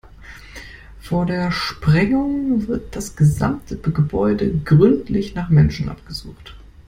Vor der Sprengung wird das gesamte Gebäude gründlich nach Menschen abgesucht.